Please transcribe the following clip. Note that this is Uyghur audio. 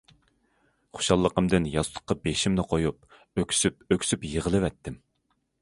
خۇشاللىقىمدىن ياستۇققا بېشىمنى قويۇپ ئۆكسۈپ- ئۆكسۈپ يىغلىۋەتتىم.